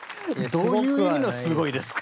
どういう意味の「すごい」ですか？